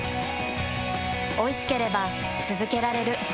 おいしければつづけられる。